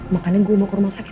makanya gue mau ke rumah sakit